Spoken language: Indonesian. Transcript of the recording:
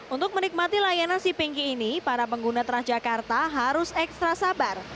untuk menikmati layanan si pinky ini para pengguna transjakarta harus ekstra sabar